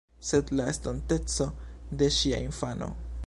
Sed la estonteco de ŝia infano.